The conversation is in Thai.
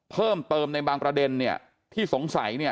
เพิ่มเติมในบางประเด็นที่สงสัย